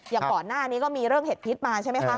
อย่างก่อนหน้านี้ก็มีเรื่องเห็ดพิษมาใช่ไหมคะ